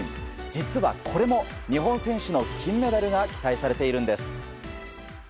実はこれも日本選手の金メダルが期待されているんです。